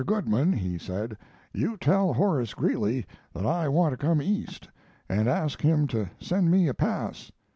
Goodman," he said, "you tell Horace Greeley that I want to come East, and ask him to send me a pass."